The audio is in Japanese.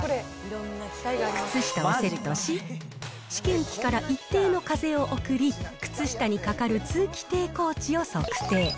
靴下をセットし、試験機から一定の風を送り、靴下にかかる通気抵抗値を測定。